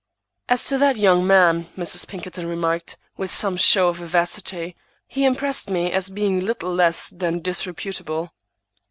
"As to that young man," Mrs. Pinkerton remarked, with some show of vivacity, "he impressed me as being little less than disreputable."